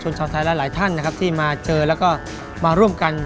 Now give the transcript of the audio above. ชาวไทยหลายท่านนะครับที่มาเจอแล้วก็มาร่วมกัน